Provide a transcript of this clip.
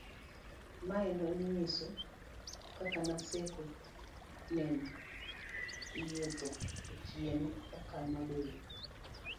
mae no niyiso kaka Naseko nedo wuotho otieno e okang' mabor